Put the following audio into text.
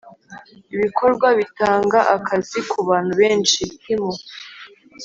ibikorwa bitanga akazi ku bantu benshi (himo)